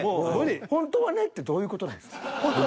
「ほんとはね」ってどういう事なんですか？